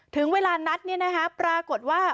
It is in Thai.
ถึงเวลานัดเนี่ยนะคะปรากฏว่า